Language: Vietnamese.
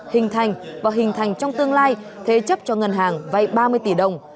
hình thành và hình thành trong tương lai thế chấp cho ngân hàng vay ba mươi tỷ đồng